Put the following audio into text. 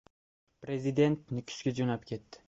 Prezident Nukusga jo‘nab ketdi